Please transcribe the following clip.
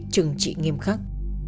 trừng trị nghiêm khắc